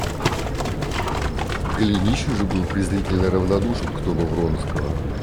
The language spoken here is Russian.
Голенищев же был презрительно равнодушен к тону Вронского.